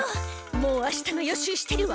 もうあしたの予習してるわ。